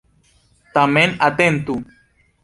Tamen atentu!